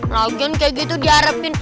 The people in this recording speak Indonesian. lagian kayak gitu diharapin